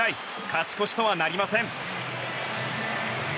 勝ち越しとはなりません。